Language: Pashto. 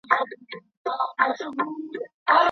چې لمرخاته ته تللې